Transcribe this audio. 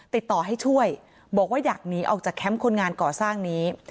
ติดต่อให้ช่วยบอกว่าอยากหนีออกจากแคมป์คนงานก่อสร้างนี้